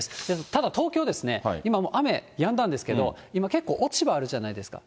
ただ、東京ですね、今もう雨やんだんですけど、今結構、落ち葉あるじゃないですか。